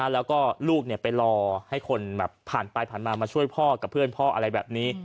แล้วก็ลูกไปรอให้คนผ่านไปผ่านมามาช่วยพ่อกับเพื่อนพ่ออะไรแบบนี้